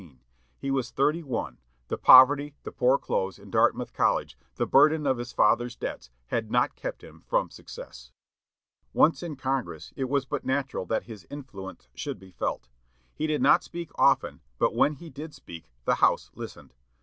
He was thirty one; the poverty, the poor clothes in Dartmouth College, the burden of the father's debts had not kept him from success. Once in Congress, it was but natural that his influence should be felt. He did not speak often, but when he did speak the House listened.